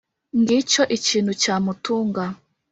ngicyo ikintu cyamutunga